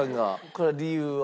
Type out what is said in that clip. これ理由は？